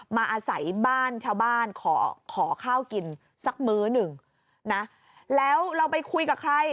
อาศัยบ้านชาวบ้านขอขอข้าวกินสักมื้อหนึ่งนะแล้วเราไปคุยกับใคร